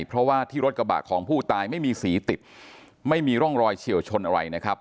เพราะว่าที่รถกระบะของผู้ตายไม่มีสีติดไม่มีร่องรอยเฉียวชนอะไรนะครับ